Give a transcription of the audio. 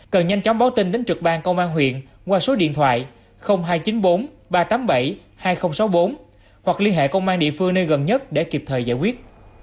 cần nhanh chóng báo tin đến trực ban công an huyện qua số điện thoại hai trăm chín mươi bốn ba trăm tám mươi bảy hai nghìn sáu mươi bốn hoặc liên hệ công an địa phương nơi gần nhất để kịp thời giải quyết